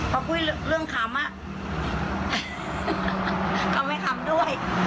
พอคุยเรื่องขำเขาไม่ทำด้วย